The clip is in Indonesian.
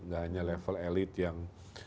nggak hanya level elite yang